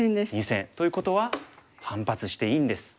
２線。ということは反発していいんです。